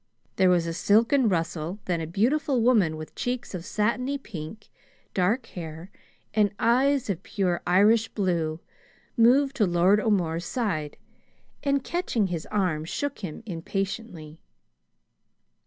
There was a silken rustle, then a beautiful woman with cheeks of satiny pink, dark hair, and eyes of pure Irish blue, moved to Lord O'More's side, and catching his arm, shook him impatiently.